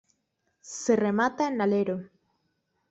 Se remata en alero.